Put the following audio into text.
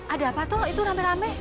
ada apa tuh itu rame rame